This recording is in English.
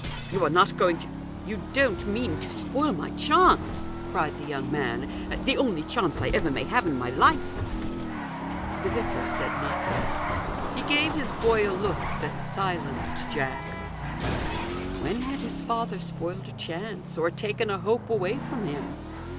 You are not going to you don't mean to spoil my chance I" cried the young man, " the only chance I ever rnay have in my life !" The vicar said nothing. He gave his boy a look that silenced Jack. When had his THE GOLDEN RULE. 293 father spoiled a chance, or taken a hope away from him